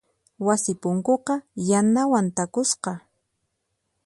Wasi punkuqa yanawan takusqa.